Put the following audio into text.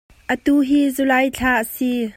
Atu hi July thla a si.